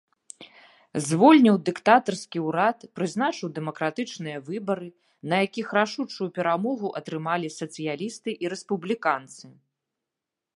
Звольніў дыктатарскі ўрад, прызначыў дэмакратычныя выбары, на якіх рашучую перамогу атрымалі сацыялісты і рэспубліканцы.